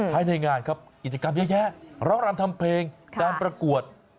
ภายในงานครับกิจกรรมเยอะแยะร้องรำทำเพลงการประกวด